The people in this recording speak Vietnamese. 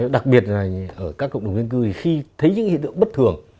đặc biệt là ở các cộng đồng viên cư thì khi thấy những hiện tượng bất thường